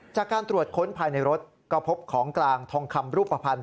จากการตรวจค้นภายในรถก็พบของกลางทองคำรูปภัณฑ์